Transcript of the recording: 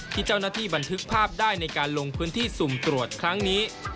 ที่เจ้าหน้าที่บันทึกภาพได้ในการลงพื้นที่สุ่มตรวจครั้งนี้